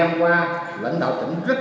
nguyễn cần tư